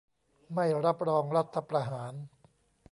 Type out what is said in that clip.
ไม่รับรองรัฐประหาร